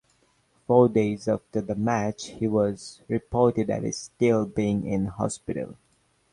Four days after the match he was reported as still being in hospital.